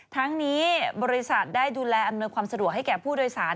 ทั้งนี้บริษัทได้ดูแลอำนวยความสะดวกให้แก่ผู้โดยสาร